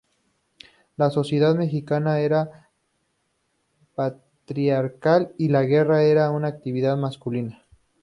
La sociedad mexica era patriarcal y la guerra era una actividad masculina.